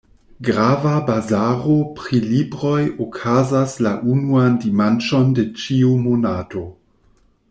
Grava bazaro pri libroj okazas la unuan dimanĉon de ĉiu monato.